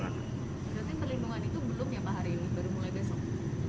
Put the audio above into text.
berarti perlindungan itu belum ya pak hari ini baru mulai besok